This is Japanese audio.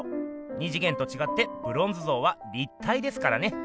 二次元とちがってブロンズ像は立体ですからね。